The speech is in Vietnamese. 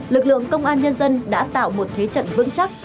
lực lượng công an nhân dân đã tạo một thế trận vững chắc